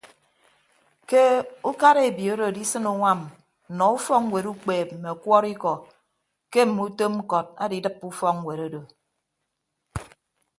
Ke ukara ebiooro adisịn uñwam nnọọ ufọkñwet ukpeep mme ọkwọrọikọ ke mme utom ñkọt adidịppe ufọkñwet odo.